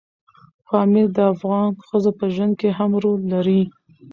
پامیر د افغان ښځو په ژوند کې هم رول لري.